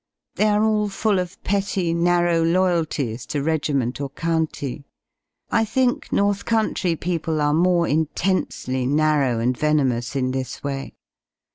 They are all full of petty narrow loyalties to regiment or county. I think North Country people are more intensely narrow and venomous in this way.